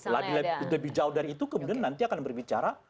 lebih jauh dari itu kemudian nanti akan berbicara